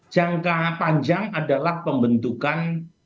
jangka panjang adalah pembentukan